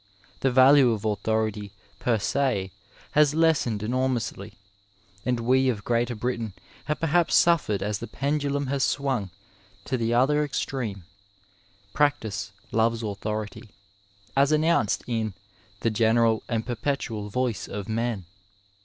The value of authority per se has lessened enormously, and we of Greater Britain have per haps suffered as the pendulum has swung to the other extreme. Practice loves authority, as announced in ^' the general and perpetual voice of men."